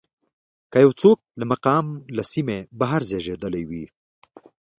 که یو څوک له مقام له سیمې بهر زېږېدلی وي.